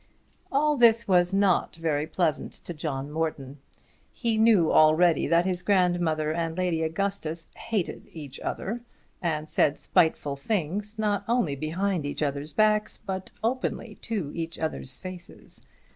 All this was not very pleasant to John Morton. He knew already that his grandmother and Lady Augustus hated each other, and said spiteful things not only behind each other's backs, but openly to each other's faces.